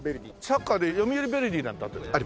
サッカーで読売ヴェルディなんてあったじゃない。